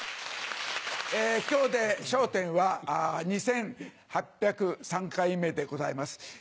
今日で『笑点』は２８０３回目でございます。